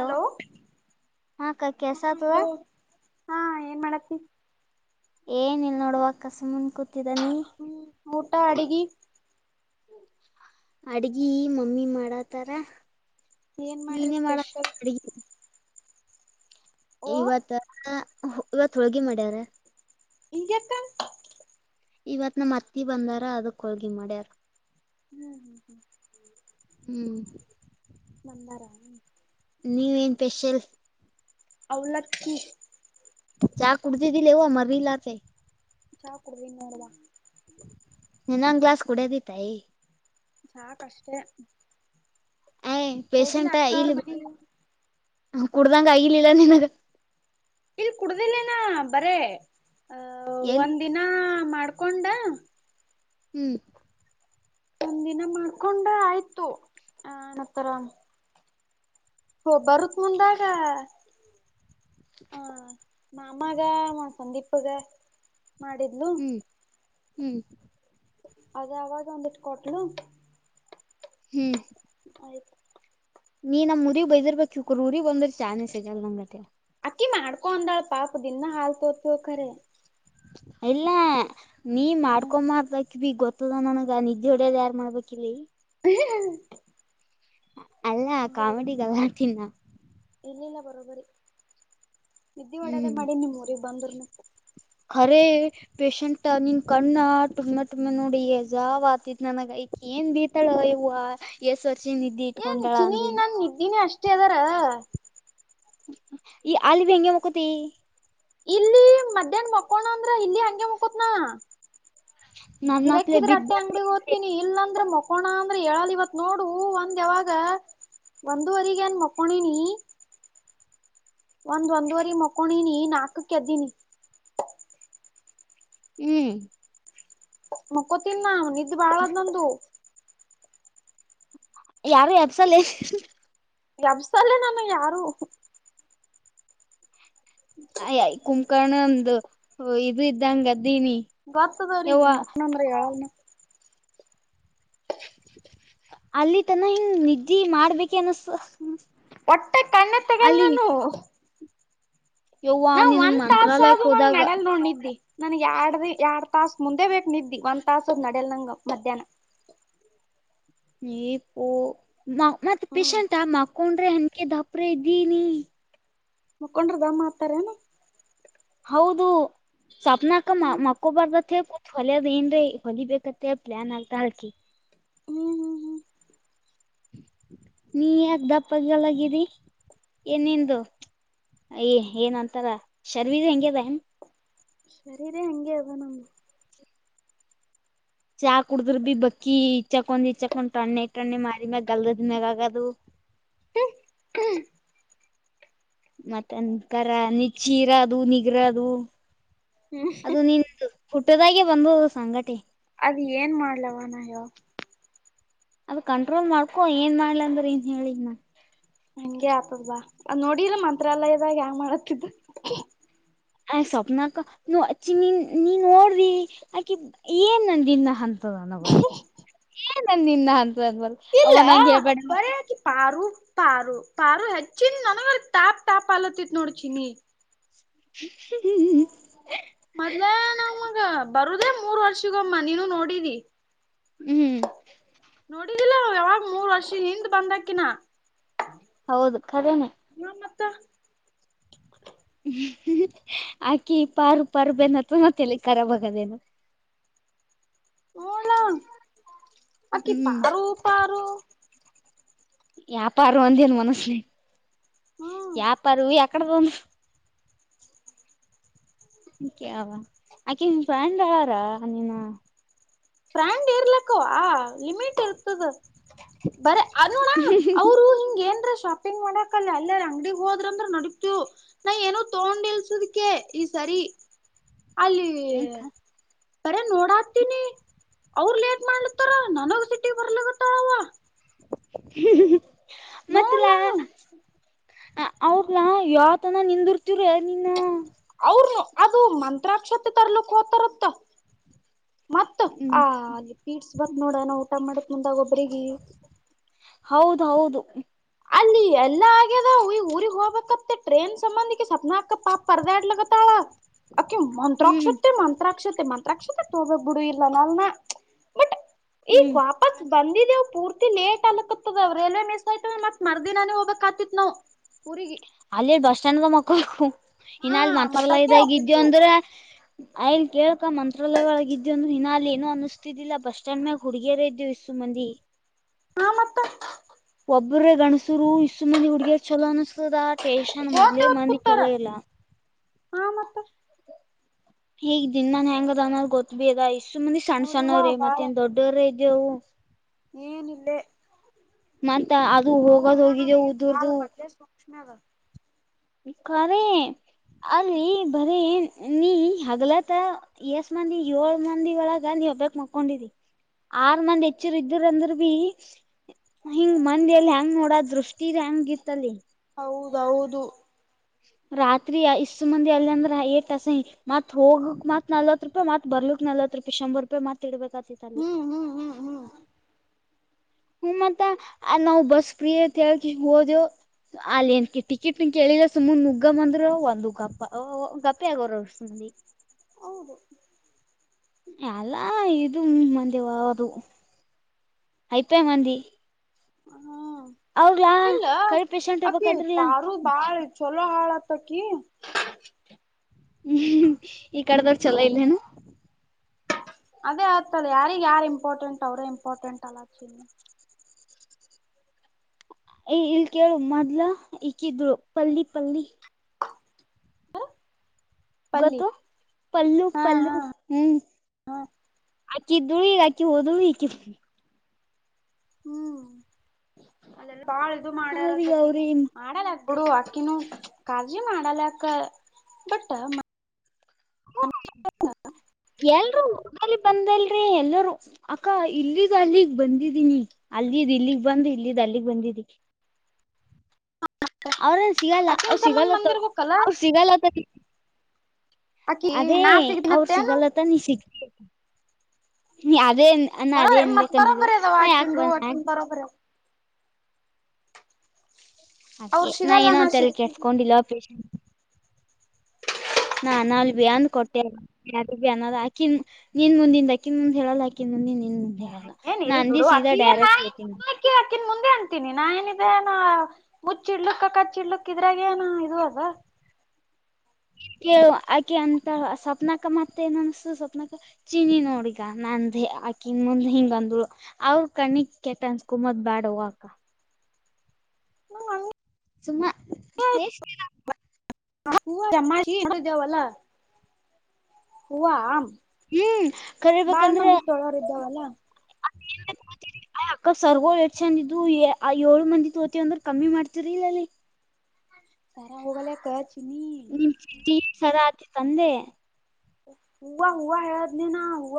Hello ಹಾ ಅಕ್ಕ ಕೆಲ್ಸಾತದ ಹಾಲೋ ಹಾ ಏನ್ ಮಾಡತಿ. ಏನ ಇಲ್ ನೋಡುವಕ್ಕ ಸುಮನ್ ಕೂತಿದ್ದಾನಿ. ಹ್ ಊಟ ಅಡ್ಗಿ ಅಡ್ಗಿ ಮಮ್ಮಿ ಮಾಡತಾರ. ಏನ್ ಮಾಡ್ರಿ ನೀನೇ ಮಾಡತ ಸ್ಪೆಷಲ್. ಅಡ್ಗಿ ಓ ಇವತ್ತ ಇವತ್ ಹೋಳ್ಗಿ ಮಾಡ್ಯಾರ. ಇಗ್ ಯಾಕ್ಕ ಇವತ್ ನಮ್ಮ ಅತ್ತಿ ಬಂದಾರ ಅದಕ್ ಹೋಳ್ಗಿ ಮಾಡ್ಯಾರ. ಹ್ಮ್ ಹ್ಮ್ ಹ್ಮ್ ಹ್ಮ್ ಬಂದಾರ. ನೀವ್ ಏನ್ ಪೆಷಲ್. ಅವಲಕ್ಕಿ ಚಾ ಕುಡ್ದಿದಿಲೆಯವ್ವ ಮರಿಲಾರ್ದೆ. ಚಾ ಕೊಡ್ದಿನ್ ನೋಡುವ. ಇನ್ನೊಂದ್ ಗ್ಲಿಸ್ ಕುಡ್ಯತಿದ್ದತೈ. ಸಾಕ್ ಅಷ್ಟೇ ಹೋಗಿಲ್ಲ ಪೇಶೆಂಟ ಅಕ್ಕ ಅವ್ರ ಇಲ್ಲಿ ಮನೆಗೆ ಕುಡ್ದಂಗ ಆಗಿಲಿಲ್ಲ ನಿನಗ್ ಇಲ್ ಕುಡ್ದಿಲ್ಲೇನಾ ಬರೇ ಅಹ ಎಲ್ಲಿ ಒಂದ ದಿನ ಮಾಡ್ಕೊಂಡ. ಹ್ಮ್ ಒಂದ್ ದಿನ ಮಾಡ್ಕೊಂಡ ಆಯ್ತು ಆನತ್ತರ. ಹೋ ಬರುತ್ ಮುಂದಾಗ. ಹಾ ನ ಮಾಮಾಗ ನ ಸಂದೀಪಗ ಮಾಡಿದ್ ಹ್ಮ್ ಹ್ಮ್ ಅದ ಅವಾಗ್ ಒಂದಿಟ್ ಕೊಟ್ಲು. ಹ್ಮ್ ಆಯ್ ನೀ ನಮ್ ಊರಿ ಬೈದಿರ್ಬೇಕು ಕ್ರು ಊರಿಗ್ ಬಂದ್ರೆ ಚಾ ನೆ ಸಿಗಲ್ಲ [unintelligible] ಅಕ್ಕಿ ಮಾಡ್ಕೊ ಅಂದಾಳ ಪಾಪ ದಿನಾ ಹಾಲ್ ತೊ ತೋತ್ಖರೆ. ಇಲ್ಲ ನೀ ಹಾ ಮಾಡ್ಕೊಂಬರ್ದ್ ಅಕಿ ಬಿ ಗೊ ನನಗ ನಿದ್ದೆ ಹೊಡೆಯದ ಯಾರು ಮಾಡ್ಬೇಕು ಇಲ್ಲಿ ಹ್ಮ ಅಲ್ಲ ಹಂಗೆ ಕಾಮಿಡಿ ಗಲಾಟಿನ ಇಲ್ಲಿಲ್ಲ ಬರೋಬರಿ ನಿದ್ದಿ ಒಡದೇ ಹ್ಮ್ ಮಾಡಿ ನಿಮ್ಮೂಊರಿಗೆ ಬಂದ್ರನು ಅರೇ ಪೇಶಂಟ್ ನಿನ್ ಕಣ್ಣ ಟುಮ ಟುಮ್ಮ ನೋಡಿ ಜಾವ್ ಆತತಿ ನನಗ ಐ ಏನ್ ಬೀತಾಳ ಯವ್ವ ಏಸ್ ವರ್ಷನ್ ನಿದ್ದಿ ಏನ್ ಇಟ್ಕೊಂಡಾಳ ಚಿನಿ ಅಂದನಿ ನನ್ ನಿದ್ದಿನೇ ಅಷ್ಟ ಅದಾರಾ ಈ ಆಲ್ಲಿಬಿ ಹಿಂಗೇ ಮಕ್ಕೋತಿ ಇಲ್ಲಿ ಮಧ್ಯಾಹ್ನ ಮಕೋಣ ಅಂದ್ರ ಇಲ್ಲಿ ಹಂಗೆ ಮುಕೋತ್ನಾ ನನ್ನಪ್ಲೆ ಗಿರಕ್ಕಿದ್ರೆ ಬಿದ್ದ ಅಟ್ಟೆ ಅಂಗಡಿ ಹೊ ತೀನಿ ಇಲ್ಲ ಅಂದ್ರ ಮಕೋಣ ಅಂದ್ರ ಹೇಳಳಲ್ ಇವತ್ ನೋಡು ಒಂದ್ ಯಾವಾಗ ಒಂದೂವರಿ ಗೇನ್ ಮಾಕೊಂಡೀನಿ ಒಂದ್ ಒಂದುವರಿ ಮಕೊಂಡಿನಿ ನಾಕಕ್ ಎದ್ದಿನಿ ಹ್ಮ್ ಮಕ್ಕೋತಿನ್ ನ ನಿದ್ದೆ ಬಾಳದ ನಂದು ಯಾರು ಎಬಿಸ್ಸಲ್ಲೇನ್ ಯಬ್ಸಲ್ಲೇ ನಾನ್ನ ಯಾರು ಅಯ್ ಕುಂಕರ್ಣ ಅಂದು ಇದು ಇದ್ದಂಗ್ದನಿ ಗೊತ್ತಾದ್ ಅವ್ರಿಗೆ ಮಾಕೊಂಡ್ರೆ ಏಳಲ್ಲ ನ ಅಲ್ಲಿ ತನ ಹಿಂಗ ನಿದ್ದಿ ಮಾಡ್ಬೇಕೆ ಅನುಸ್ತದ ಒಟ್ಟೆ ಕಣ್ಣ ತಗಲ್ ನನವು ಯವ್ವ ನಿಂಗ್ ಒಂದ್ ತಾಸ ಮಂತ್ರಾಲಯಕ್ ಅದು ನಂಗ್ ಹೋದಾಗ ನಡಲ್ ನೋಡ್ ನಿದ್ದಿ ನನ್ಗ್ ಎರಡ್ ಎರಡ್ ತಾಸ್ ಮುಂದೆ ಬೇಕ್ ನಿದ್ದಿ ಒಂದ್ ತಾಸದ್ ನಡ್ಯಲ್ ನಂಗ ಮಧ್ಯಾಹ್ನ ನೀ ಪೋ ಮತ್ ಹ್ಮ್ ಪೇಶಂಟಾ ಮಕೊಂಡ್ರೆ ಅನ್ಕ ದಪ್ರ ಇದ್ದೀನಿ ಮುಕ್ಕೊಂಡ್ರ ದಮ್ಮ ಆತಾರೇನ ಹೌದು ಸಪ್ನಾಕ ಹ್ಮ್ ಮಕ್ಕೊಬರ್ದತ್ ಅತ್ ಹೇಳಿ ಕು ಹೊಲದ ಏನ್ರೀ ಹೊಲಿ ಬೇಕತ್ತೆಲಿ ಪ್ಲಾನ್ ಆಗ್ತಾ ಹಾಕಿ ಹ್ಮ್ ಹ್ಮ್ ಹ್ಮ್ ನೀ ಯಾಕ ದಪ್ಪಾಗಲ್ಲಾಗಿದಿ ಎನಿಂದು ಅಯ ಏನಂತರ ಶರೀರಬಿ ಹೆಂಗ ಅದ ಏನ್ ಶರೀರ ಹೆಂಗೆ ಅದ ನಂದು ಚಾ ಕುದ್ರಭೀ ಬಕ್ಕಿ ಇಚಕೊಂಡ್ ಇಚಕೊಂಡ್ ಟಣ್ಣೆ ಮಾರಿ ಮ್ಯಾಗ ಗಲ್ದದ್ ಮ್ಯಾಗ ಆಗದು ಹ್ಮ್ಮ ಮತ್ತಂದ ಕರ ನೀ ಚೀರ ಅದು ನಿಗರದು ಹ್ಮ್ ಅದು ನಿಂದು ಪುಟ್ಟದಾಗೆ ಬಂದಬೋದು ಸಂಗಟೆ ಅದ ಏನ್ ಮಾಡ್ಲವ ನಾ ಹೇಳ್ ಅದ್ ಕಂಟ್ರೋಲ್ ಮಾಡ್ಕೊ ಏನ್ ಮಾಡ್ಲ ಅಂದ್ರ ಏನ್ ಹೇಳ್ಲಿ ನ ಹಂಗೆ ಆತದವಾ ನೋಡಿಲ್ಲ ಮಂತ್ರಾಲಯದಗ ಹೆಂಗ್ ಮಾಡ್ಲಹಟ್ಟಿದ್ದ ಸ್ವಪ್ನಾಕ್ಕ ಅ ನೀನ್ ನೀನ್ ನೋಡ್ರಿ ಆಕಿ ಏನ್ನಂದಿನ ಅಂ ಏ ನನ್ ನಿನ್ನ ಅಂತ ಅಂದವಲ್ ಅವ ಇಲ್ಲ ನಂಗಗೆ ಹೇಳ್ಬೇಡ ಬರೇ ಆಕಿ ಪಾರು ಪಾರು ಪಾರು ಹೆಚ್ಚಿನ ನನಗ ತಾಪ್ ತಾಪ್ ಆಲತ್ತತ್ ನೋಡ ಚಿನ್ನಿ ಹ್ಮ್ ಹ್ಮ್್ಮ ಮೊದ್ಲೇ ನಾಮಗ ಬರುದೇ ಮೂರ್ ವರ್ಷಿಗಮ್ಮ ನೀನು ನೋಡಿದಿ ಹ್ಮ್ ನೋಡಿದಿಲ್ಲ ಯಾವಾಗ ಮೂರ್ ವರ್ಷ ಹಿಂದ್ ಬಂದಕಿನಾ ಹೌದು ಖರೇನ ಹ್ಮ ಮತ್ತ ಹ್ಮ್ ಆಕಿ ಪಾರು ಪಾರು ಬೆತ್ರತ್ತಲಿಖರಬಗದೇನು ಹ ನಾ ಬಕಿ ಹ್ಮ್ ಪಾರು ಪಾರು ವ್ಯಾಪಾರ ಅಂದೇನು ಮನಸಲಿ ಹ್ಮ್ ವ್ಯಾಪಾರ ಎಕಡೆ ಬಂದು ಆಕೆ ನಿನ್ ಪ್ರೇಂಡ ಅವಾರ ನೀನು. ಪ್ರೆಂಡ್ ಇರ್ಲಕ್ಕ ಆ ಲಿಮಿಟ್ ಇರ್ತದ ಬರ ಅದೋಡ ಅವರು ಹಿಂಗ ಏನ್ರ ಶಾಪಿಂಗ್ ಮಾಡಕಲ್ಲ ಎಲ್ಲಾರ ಅಂಗಡಿಗ್ ಹೋದ್ರಂದ್ರ ನಡತು ನಾ ಏನೋ ತಗೊಂಡಿಲ್ಸದಕ್ಕೆ ಈ ಸರಿ ಅಲ್ಲಿ. ಬರ ನೋಡತೀನಿ. ಅವರು ಲೇಟ್ ಮಾಡ್ಲತ್ತಾರ ನನಗ ಸಿಟಿ ಬರ್ಲಗತ್ತಾಳವ. ಮತ್ತಲ ನೋಡ್ಲಾನು ಅ ಅವ್ರಲಾ ಯಾವತನ ನಿಂದಿರ್ತಿವ್ರ ನಿನ್ನ ಅವ್ರನು ಅದು ಮಂತ್ರಾಕ್ಷತೆ ತರ್ಲಿಕ್ ಹೋ್ತಾರತ್ತ ಮತ್ತ ಆ ಅ ಪೀಟ್ಸ್ ಬತ್ ನೋಡೋಣ ಊಟ ಮಾಡಕ್ ಮುಂದಾಗ ಒಬ್ರಿಗೆ ಹೌದ ಹೌದು ಅಲ್ಲಿ ಎಲ್ಲಾ ಆಗ್ಯದ ಊರಿಗ್ ಹೋಗಬೇಕತ್ತ ಟ್ರೈನ್ ಸಂಬಂಧಕ್ಕೆ ಸ್ಪ್ನಾ ಅಕಪ್ಪಾ ಪರ್ದಾಡ್ಲಗತ್ತಾಳ. ಆಕಿ ಮಂತ್ರಕ್ಷ ಹ್ಮ್ ಸೆ ಮತ್ರ ಮಂತ್ರಾಕ್ಷತೆ ಮಂತ್ರಾಕ್ಷತೆ ತೋಗೋ ಬಿಡು ಇಲ್ಲ ನಲ್ ಬಟ್ ಈಗ ಬಸ್ ಬಂದಿದ್ದವು ಪೂರ್ತಿ ಲೇಟ್ ಆಲಕ್ಕತ್ತದವು ರೈಲ್ವೆ ಮಿಸ್ ಆಯತ ಮತ್ತೆ ಮರ್ದಿನಾನೇ ಹೋಗ್ಕ್ ಆತಿತ್ ನಾವು ಊರಿಗೆ ಅಲ್ಲ ಬಸ್ ಸ್ಟ್ಯಾಂಡ್ ಮಕ್ಕಳು ಇನ್ನ ಹಾ ಅಲ್ ಮತ್ತ ಮಂತ್ರಾಲಯ ಅದೇ ಇದಾಗ ಇದ್ಯವು ಆಗ್ತಿತ್ತು ಅಂದ್ರ ಅಯಲ್ ಕೇಳಕ ಮಂತ್ರಾಲಯ ಒಳಗ ಇದೆವಂದ ಹಿನ ಅಲ್ಲಿ ಏನನು ಅನಿಸ್ತಿದ್ದಿಲ್ಲ ಬಸ್ ಸ್ಟ್ಯಾಂಡ್ ಮ್ಯಾಗ ಹುಡ್ಗೇರ ಇದೇವು ಇಷ್ಟು ಮಂದಿ. ನಾ ಮತ್ತೆ ಒಬ್ಬ್ರೇ ಗಣಸುರು ಇಷ್ಟು ಮಂದಿ ಹುಡ್ಗಿಯರ್ ಚಲೋ ಅನಸ್ತದ ಟೇೇಶನ್ ಹೋತೆ ಮೊ್ಲೇ ಹೊತ್ ಮಂದಿ ಕೂತಾರ ಚೊಲೋ ಇಲ್ಲ. ಹಾ ಮತ್ತೆ ಹೀಗ್ ದಿನನ್ ಹೆಂಗದ ಅನ್ನೋ್ ಗೊತ್ ಬಿ ಅದ ಇಷ್ಟ್ ಮಂದಿ ಸಣ್ಣ ಹೌದವ್ವ ಸಣ್ಣವ್ರ ಬಾಳ ಮತ್ತೇಏನ್ ದೊಡ್ಡವ್ರೇ ಇದೇವು. ಏನಿಲ್ಲೇ ಮತ್ ಅದು ಹೋಗದ ಹೋಗಿದ ಉದ್ದರ್ದು. ನದ ಖರ ಅಲ್ಲಿ ಬರೀ ನೀ ಹಗಲತ್ತ. ಎಷ್ಟ ಮಂದಿ ಏಳ್ ಮಂದಿ ಒಳಗ ನೀವ ಬಕ್ ಮಕೊಂಡಿ. ಆರ್ ಮಂದ ಹೆಚ್ಚರು ಇದ್ರಂದ್ರ ಬಿ ಹಿಂಗ್ ಮಂದಿಯಲ್ಲಿ ಹೆಂಗ್ ನೋಡ ದೃಷ್ಟಿ ಹೆಂಗಿತ್ತಲಿ ಹೌದೌದು ರಾತ್ರಿ ಇಷ್ಟು ಮಂದಿ ಅಲ್ಲ ಅಂದ್ರ ಏಟಸ ಮತ್ ಹೋಗಕ್ ಮತ್ ನಲ್ವತ್ ಹ ರೂಪಾಯಿತ್ ಬರ್ಲಿಕ್ ನಲ್ತ್ ರೂಪಾಯಿ ಶಂಬರ್ ರೂಪಾಯಿತ್ ಇಡ್ಬೇಕ ಆತಿಲ್ಲಿ ಹ್ಮ್ ಹ್ಮ್ ಹ್ಮ್ ಹ್ಮ್ ಹ್ಮ ಮತ್ತ ನಾವು ಬಸ್ಪಿಯ ಅಂತ ಹೇಳ್ಕಿ ಹೋದವು ಅಲ್ಲಿ ಏನ್ ಕ ಟಿಕೆಟ್ ನಿನ್ ಕೇಳಿಲ್ಲ ಸುಮನ್ ನುಗ್ಗ ಅಂದ್ರ ಒಂದು ಗಪ್ಪ ಗಪ್ಪೆ ಆಗೋರ [unintelligible] ಹೌದು ಅಲ್ಲಾ ಇದು ಮಂದಿವದು ಅಐಪಯ ಮಂದ ಹ್ಮ ಹೌಲಾ ಇಲ್ಲ ಕರಿ ಪಷಂಟ್ ಇಬೇಕಾದ್ರಲ್ಲ. ಚೊಲೋ ಹಾಳತ್ತಕ. ಹ್ಮ್ ಈ ಕಡದ್ ನ ಚಲ ಇಲ್ಲೇನ. ಅದೇ ಆ್ತದದೆ ಯಾರಿಗ ಯಾರ್ ಇಂಪಾರ್ಟೆಂಟ್ ಅವರೇ ಇಂಪಾರ್ಟೆಂಟ್ ಅಲ್ಲ ಆ ಚೀ ಏ ಇಲ್ ಕೇಳು ಮೊದ್ಲ ಇಕ್ಕಿದ್ರು ಪಲ್ಲಿ ಪಲ್ಲಿ ಪಲ್ಲಿ ಗೊತ್ತು ಪಲ್ಲು ಹಾ ಪಲ್ಲು ಹಾ ಹ್ಮ್ ಹಾ ಅಕ್ಕಿ ಇದ್ದಳ ಈಗ ಅಕ್ಕಿ ಹೋದ ಈಕಿದ ಹ್ಮ್ ಅಲ್ಲೆಲ್ಲ ಬಾಳ ಇದು ಅವ್ರಗ ಮಾಡ್ಯಾರದಕ್ಕಗ ಅವ್ರಿ ಮಾಡಲ್ಲ. ನಡು ಆಕಿನ ಕಜಿ ಮಾಡಲಕ್ ಬಟ್ ಹ ಎಲ್ರುೂ ಊಗಲ್ಲಿ ಬಂದಲ್ರಿ ಎಲ್ಲರೂ ಅಕ್ಕ ಇಲ್ಲದ್ ಅಲ್ಲಿಗ್ ಬಂದಿದೀನಿ ಅಲ್ಲದ್ ಇಲ್ಲಿಗ್ ಬಂದ ಇಲ್ಲದ್ ಅಲ್ಲಿಗ್ ಬಂದಿದಿ ಅವ್ರಲ್ಲಿ ಸಿಗಲ್ಲ ಅಕಿನ್ ಅವ್ ಸಂಬಂಧ ಸಿಗಲ್ಲತ್ತ ಬಂದಿರ್ಬೇಕಲ್ಲ ಅವ್ರ ಸಿಗಲ್ಲತ್ತ ಅಕಿ ಅದೇ ನಾ ಅವ್ರ ಸಿಗನತ್ತೇನು ಸಿಗಲ್ಲತ್ತ ನೀ ಸಿಗ್ತ [inaudible] ನೀ ಅದೇ ಅಣ ಬರೋ ಅದೇ ಎಂದ ಕಂದಿದ್ು ನಾ ಯಾಕ ಬರಬರ ಅವ್ರ ಅೆ ನಾ ಸಿಗಲ್ಲ ಏನ ಅ ಎಲ್ಲಿ ಸಿಗ್ತೀನಿ. ಕೆಿಸಸ್ಕೊಂಡಿಲ್ಲ ಪೇಷ ನಾನ್ ಅಲ್ ಬಿ ಅಂದ ಕೊಟ್ಟೆ ಅ ಅನ್ನ ಹಾಕಿನ್ ನಿನ್ ಮುಂದಿನ ದಕಿನ್ಂದ್ ಹೇಳಲ್ಾಕ ಂದ ನಿನ್ರಲ್ಲ ಏನ್ ನಾ ಇಲ್ ಅಂದ ಬಿಡು ಸೀದ ಅಕ್ಕಿಗೆ ನಾ ಡೈರೆಕ್ಟ್ ಹೇಳ್ತೀನ ಅಕ್ಕಿ ಅಕಿನ್ ಮುಂದೆ ಅತೀನಿ ನಾೇಏನಿದೆ ನಾ ಮುಚ್ಚಿ ಇಡ್ಲಕ್ಕ ಕಚ್ಚಿಡ್ಲಕ್ಕ ಇದ್ರಾಗ ಏನ ಇ ಅದ ಆಕೆ ಅಂತ ಸ್ಪ್ನಾಕ ಮತ್ತೆ ಏನ್ ಅನ್ಸತು ಸವಪ್ನಾಕ ಚಿನಿ ನೋಡ್ಗ ನಂದೇ ಆಕನ್ ಮುಂದೆ ಹಿಂಗ ಅಂದರು ಅವ್ರ ಕಣ್ಣಿಕ್ ಕೆಟ್ಟ ಅನ್ಸ್ಕದ ಬ್ಯಾಡ್ ಹೋಗ್ಕ ಹ್ಮ [unintelligible] ಸುಮ್ಮಾ [unintelligible] [unintelligible] ಹೂವ ಆ ಹ್ಮ್ [inaudible] ಬಾಳ್ ಮಂದಿ ತೊಳೋರ್ ಇದ್ದಾವಲ್ಲಾ ಅ [unintelligible] ಅಯ್ ಅಕ್ಕಪ್ ಸರ್ಗೋಳ್ ಎಷ್ಟ ಚಂದ ಇದು ಆ ಏಳು ಮಂದಿ ತೋತಿ ಅಂದ್ರ ಕಮ್ಮಿ ಮಾಡ್ತರಿ ಇಲ್ಲ ಸಾರ ಹೋಗಲ್ಲಕ್ಕ ಚಿನಿ [unintelligible] ಸರಾತಿ ತಂದೆ ಹೂವ ಹೂವ ಹೇಳದ್ ನೀನಾ ಹೂವ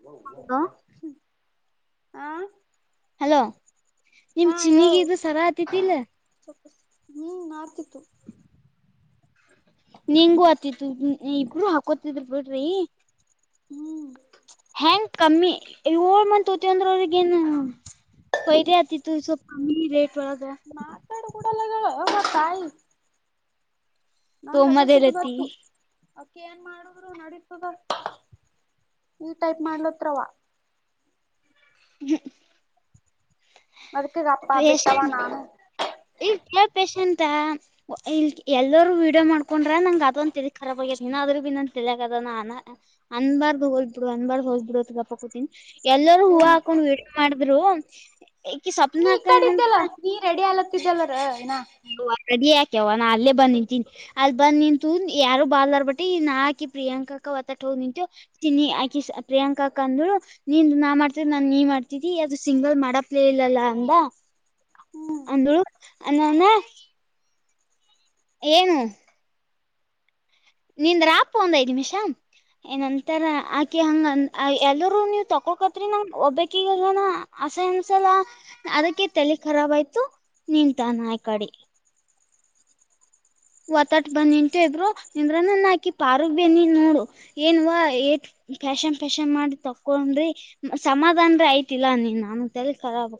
[unintelligible] ಹಾ ಹಲೋ ನಿಮ ಚಿನಗ ಹೇಳು ಇ ಸರ ಆತಿತಿ ಇಲ್ಲ ಹ್ಮ್ ನಡ್ತಿತ್ತು ನಿಂಗೂ ಆತಿತ್ತು ಇಬರು ಹಾಕೋತಿದ್ರರು ಬಿಡ್ರಿ ಹ್ಮ್ ಹೆಂಗ ಕಮ್ಮಿ ಏಳ್ ಮತ್ ತ ಅಂದ್ರ ಅವ್ರಗ ಏನು ಪಹಲಿ ಆತಿತ್ತುು ಸೊ ಕಮ್ಮಿ ರೇಟ್ ಒ ಮಾತಾಡು ಕೂಡಲ್ಲ ತಾಯಿ ತೋ ನಂಗ ಅದೇ ಸಿಟ್ಟು ಮದಲ್ಲತಿೀ ಬತ್ತು. ಅಕ ಏನ್ ಮಾಡುದು ನಡಸುದ ಈ ಟೈಪ್ ಮಾಡ್ಲತ್ರವ ಹ್ಮ್ ದುಕ್ಕೆ ಕಪ್ಪಾ ಬಿಟ್ಟವಾ ನಾನು ಇಲ್ ಕೆ ಪೇಶೆಂಟ್ ಇ ಎಲ್ಲರೂ ವಿೀಡಿಯೋ ಮಾಡ್ಕೊಂಡ್ರ ನಂಗ್ ಅದ ಒಂತ ಖಾಬ್ ಆಗತಿ ಏನಾದ್ೂ ಬಿ ನನ್ ತಿಳಿಯಕ ಅದ ನ ಅ ಅನ್ ಬಾರ್ದ ಹೋದ್ ಬಿಡು ಅನ್್ಬಾರ್ಗ್ ಹೋ್ಬ ಬಿಡುೋ ಗಾ ಕೂತಿನಿ ಎಲ್ಲರೂ ಹೂ ಏನು ಹಾಕೊಂಡ್ ವಿಡ ಮಾಡಿದ್ರು ಈಕ ಸ್ವಪ್ನ ನೀ ಈ ಹಾಕ ಕಡೆ ಇದ್ದಲ್ಲ ಏನಂತ ನೀ ರೆಡಿ ಆಲತ್ತಿದ್ದಲ್ಲರ ನ ಹಡಿ ಯಾಕೆವ ನಾ ಅಲ್ಲೇ ಬಂದ ನಿಂತೀನಿ ಅಲ್ ಬಂದ್ ನಿಂತು ಯಾರು ಬಾಲ್ಲಾರ್ ಬಟ್ಟಿ ಇನ್ಾಕಿ ಪ್ರಿಯಾಂಕಾಕ ಹೊತ್ತಟ್ಟ ಹೋಗ್ ನಿಂತು ಚನ್ನಿ ಆಾಕಿ ಪ್ರಿಯಾಂಕಾ ಕಂದ್ರು ನೀನ್ ನಾ ಮಾಡ್ತಿದ ನಾನ್ ನೀ ಮಾಡ್ತಿದಿ ಅದು ಸಿಂಗಲ್ ಮಾಡಪ್ಲೇ ಇಲ್ಲಲ್ಲ ಅಂದ ಹ್ಮ್ ಅಂದಳು ಅನ್ನನ ಏನು ನೀಂದ ರಾಪ ಒಂದ ಐ ನಿಮಿಷಾ ಏನಂತರ ಆಕಿ ಹಂಗ ಎಲ್ಲರುೂ ನೀ್ ತಕೋಕತ್ರಿ ನಾ ಒಬ್ಬಕ್ ಈಗಲ್ನಾ ಅಸ ಒಂದಸಲ ಅದಕ್ಕೆ ತಲೆ ಖರಾ ಆಯ್ತು ನಿಂತಾನ ಆಾಯಕಾಡಿ ಒತ್ತಟ ಬಂದ್ ನಿಂತು ಇದ್ರು ನಿಂದ್ರನುಾಕಿ ಪಾರ್ಕ್ ನ್ನಿ ನೋಡು ಏನ್ವಾ ಏ ಫ್ಯಾಶನ್ ಫ್ಯಾಶನ್ ಮಾಡಿ ತಕೊಂಡ್ರಿ ಸಮಾಧಾನನ್ರ ಆಯ್ತಿಲ್ಲಾ ನೀನ್ ನಾನು ತ ಕರಬ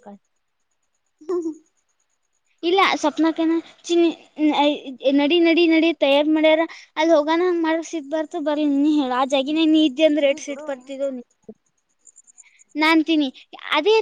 ಹ ಇಲ್ಲ ಸಪ್ನಾಕನ ಚ ನಡಿ ನಡಿ ನಡಿ ತಯಾರಿ ಮಾಡ್ಯಾರ ಅಲ್ಲಿ ಹೋಗಣ ಹಂಗ್ ಮಾಡಸಿದ ಬರ್ತ ಬರರಿ ನೀ ಹೇಳ ಆ ಜಗಿನೇ ನೀ ಇ ಬಿಡು ಂದಟ್ ನಿನ್ ಬರ್ತಿದ್ದ ನಾಂತನಿ ಅಲ್ಲ